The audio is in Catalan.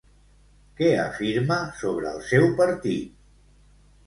Què afirma sobre el seu partit?